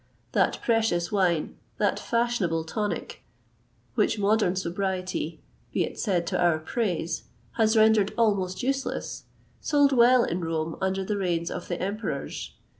That precious wine, that fashionable tonic, which modern sobriety be it said to our praise has rendered almost useless, sold well in Rome under the reigns of the Emperors.